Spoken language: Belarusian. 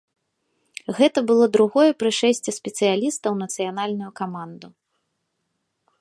Гэта было другое прышэсце спецыяліста ў нацыянальную каманду.